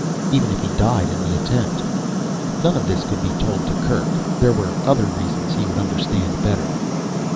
Even if he died in the attempt. None of this could be told to Kerk. There were other reasons he would understand better.